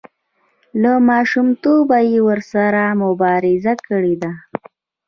له ماشومتوبه یې ورسره مبارزه کړې ده.